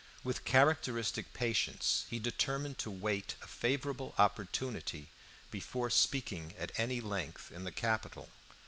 With characteristic patience he determined to await a favorable opportunity before speaking at any length in the Capitol.